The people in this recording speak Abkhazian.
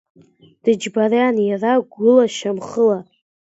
Дыџьбаран иара гәыла-шьамхыла…